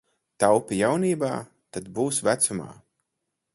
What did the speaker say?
Taupi jaunībā, tad būs vecumā.